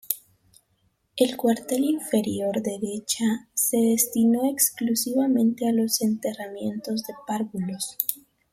El cuartel inferior derecha se destinó exclusivamente a los enterramientos de párvulos.